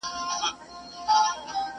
زه لکه پل خلک مي هره ورځ په لار کی ویني،